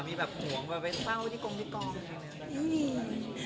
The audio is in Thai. มีแบบห่วงว่าไปเฝ้าที่กรงที่กอง